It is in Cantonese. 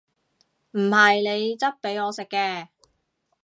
唔係你質俾我食嘅！